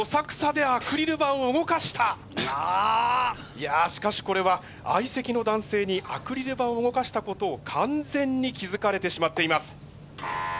いやしかしこれは相席の男性にアクリル板を動かしたことを完全に気付かれてしまっています。